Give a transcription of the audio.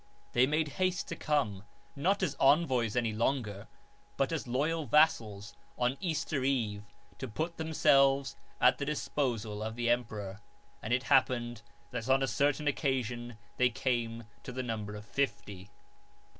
They made haste to come, not as envoys any longer but as loyal vassals, on Easter Eve to put themselves at the disposal of the emperor ; and it happened that on a certain occasion they came to the number of fifty.